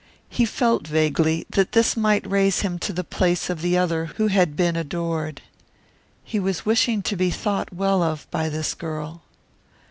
He felt vaguely that this might raise him to the place of the other who had been adored. He was wishing to be thought well of by this girl.